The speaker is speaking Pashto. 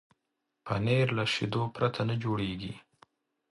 پنېر له شيدو پرته نه جوړېږي.